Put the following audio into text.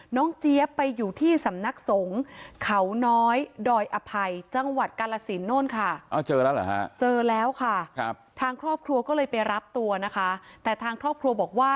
น้องเจี๊ยบไปอยู่ที่สำนักสงฆ์เขาน้อยดอยอภัยจังหวัดกาลสินโน่นค่ะ